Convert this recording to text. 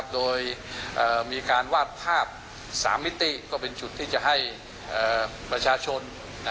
โดยมีการวาดภาพ๓มิติก็เป็นจุดที่จะให้ประชาชน